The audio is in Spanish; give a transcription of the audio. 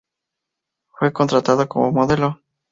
Fue contratada como modelo.